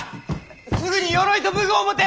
すぐに鎧と武具を持て！